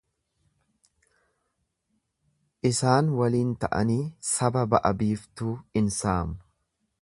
Isaan waliin ta'anii saba ba'a-biiftuu in saamu.